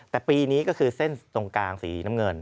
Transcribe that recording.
แต่ปีนี้ก็คือเส้นตรงกลางสีน้ำเงิน